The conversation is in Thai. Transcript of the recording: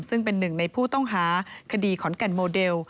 ซึ่งเป็นหนึ่งในผู้ต้องหาคดีขอนแก่นโมเดล